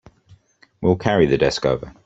We'll carry the desk over.